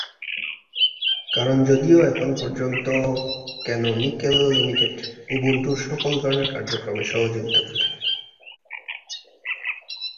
কারণ যদিও এখন পর্যন্ত ক্যানোনিকাল লিমিটেড উবুন্টুর সকল ধরনের কার্যক্রমে সহযোগিতা করে থাকে।